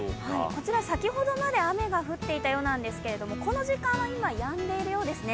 こちら、先ほどまで雨が降っていたようなんですけれども、この時間は今やんでいるようですね。